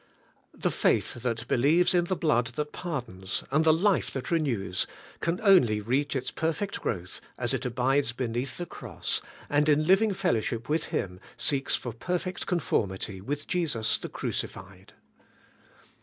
The faith that believes in the blood that pardons, and the life that renews, can only reach its perfect growth as it abides beneath the Cross, and in living fellowship with Him seeks for perfect con formity with Jesus the Crucified.